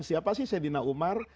siapa sih sedina umar